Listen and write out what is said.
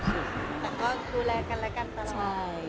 คิดจะบินเนอะ